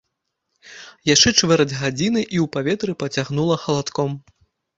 Яшчэ чвэрць гадзіны, і ў паветры пацягнула халадком.